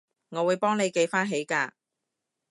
我會幫你記返起㗎